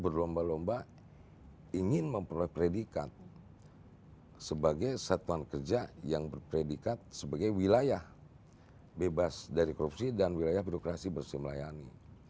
berlomba lomba ingin memperoleh predikat sebagai satuan kerja yang berpredikat sebagai wilayah bebas dari korupsi dan wilayah birokrasi bersih melayani